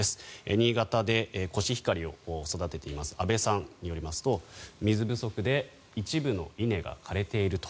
新潟でコシヒカリを育ています阿部さんによりますと水不足で一部の稲が枯れていると。